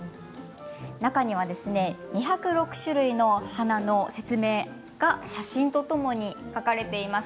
中には２０６種類の花の説明が写真とともに書かれています。